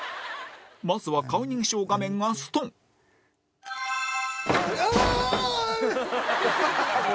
まずは顔認証画面がストンああーっ！